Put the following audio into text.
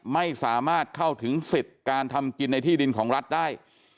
ไม่สามารถเข้าถึงสิทธิ์การทำกินในที่ดินของรัฐได้